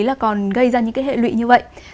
là còn gây ra những hệ lụy như vậy